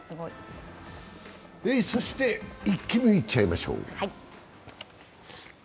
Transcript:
そして、「イッキ見」いっちゃいましょう。